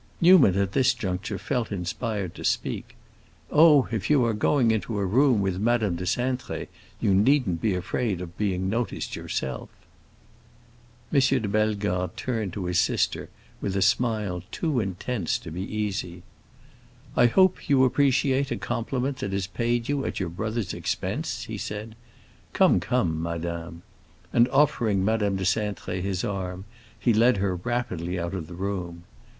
Newman at this juncture felt inspired to speak. "Oh, if you are going into a room with Madame de Cintré, you needn't be afraid of being noticed yourself!" M. de Bellegarde turned to his sister with a smile too intense to be easy. "I hope you appreciate a compliment that is paid you at your brother's expense," he said. "Come, come, madame." And offering Madame de Cintré his arm he led her rapidly out of the room.